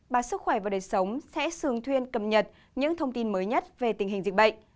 bà sức khỏe và đời sống sẽ thường thuyên cập nhật những thông tin mới nhất về tình hình dịch bệnh